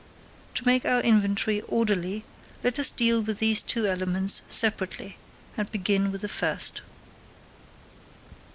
To make our inventory orderly, let us deal with these two elements separately and begin with the first.